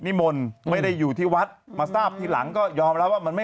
นิมนต์ไม่ได้อยู่ที่วัดมาทราบทีหลังก็ยอมรับว่ามันไม่